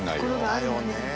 だよね。